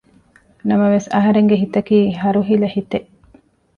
ނަމަވެސް އަހަރެންގެ ހިތަކީ ހަރުހިލަ ހިތެއް